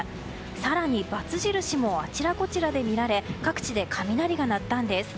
更に、バツ印もあちらこちらで見られ各地で雷が鳴ったんです。